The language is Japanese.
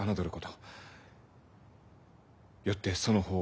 よってその方を。